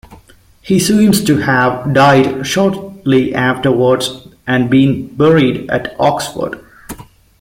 He seems to have died shortly afterwards and been buried at Oxford.